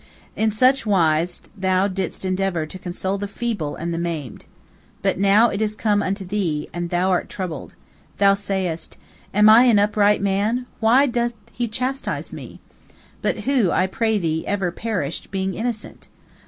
In such wise thou didst endeavor to console the feeble and the maimed. But now it is come unto thee, and thou art troubled. Thou sayest, I am an upright man, why doth He chastise me? But who, I pray thee, ever perished, being innocent?